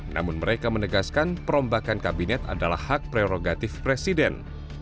namun mereka menegaskan perombakan kabinet adalah hak prerogatif presiden